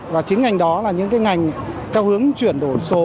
và chính ngành đó là những cái ngành theo hướng chuyển đổi số